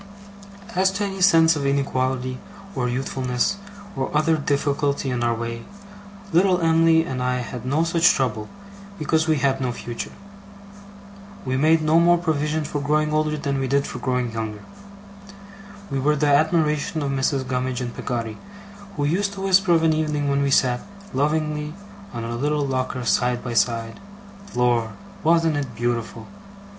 As to any sense of inequality, or youthfulness, or other difficulty in our way, little Em'ly and I had no such trouble, because we had no future. We made no more provision for growing older, than we did for growing younger. We were the admiration of Mrs. Gummidge and Peggotty, who used to whisper of an evening when we sat, lovingly, on our little locker side by side, 'Lor! wasn't it beautiful!